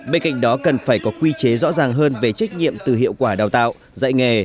bên cạnh đó cần phải có quy chế rõ ràng hơn về trách nhiệm từ hiệu quả đào tạo dạy nghề